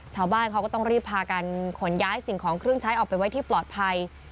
ชาวบ้านเขาก็ต้องรีบพากันขนย้ายสิ่งของเครื่องใช้ออกไปไว้ที่ปลอดภัย